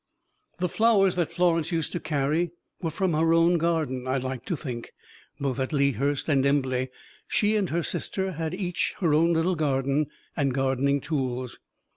The flowers that Florence used to carry were from her own garden, I like to think. Both at Lea Hurst and Embley, she and her sister had each her own little garden and gardening tools.